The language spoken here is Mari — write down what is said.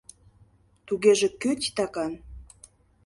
Тугеже кӧ титакан?